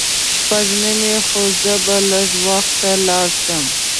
شپږ نیمې خو زه به لږ وخته لاړ شم.